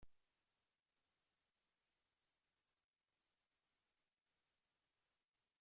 Muchos asentamientos húngaros no tenían fortificaciones en absoluto.